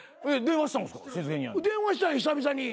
電話したんや久々に。